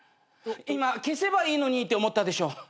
今「消せばいいのに」って思ったでしょ？